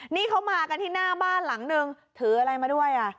นี่เขามากันที่หน้าบ้านหลังนึงถืออะไรมาด้วยอ่ะ